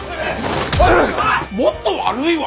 もっと悪いわ！